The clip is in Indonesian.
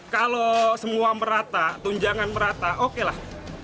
kalau semua merata tunjangan merata oke lah